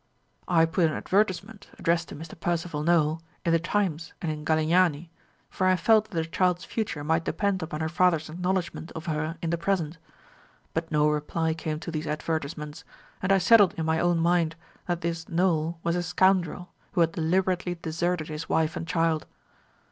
"I put an advertisement, addressed to Mr. Percival Nowell, in the Times and in Galignani, for I felt that the child's future might depend upon her father's acknowledgment of her in the present; but no reply came to these advertisements, and I settled in my own mind that this Nowell was a scoundrel, who had deliberately deserted his wife and child.